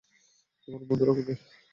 তোমার বন্ধুরা কোথায়?